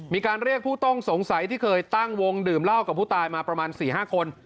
มีการเรียกผู้ต้องสงสัยที่เคยตั้งวงดื่มเหล้ากับผู้ตายมาประมาณ๔๕คน